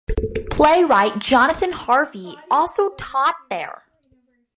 Playwright Jonathan Harvey also taught there.